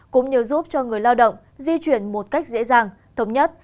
cũng như giúp cho người lao động di chuyển một cách dễ dàng thống nhất